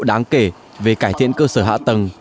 đáng kể về cải thiện cơ sở hạ tầng